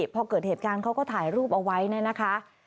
พอเกิดเหตุการณ์เขาก็ถ่ายรูปเอาไว้เนี่ยนะคะ